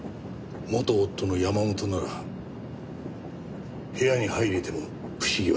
元夫の山本なら部屋に入れても不思議はない。